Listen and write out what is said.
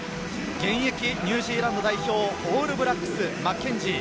現役ニュージーランド代表オールブラックスのマッケンジー。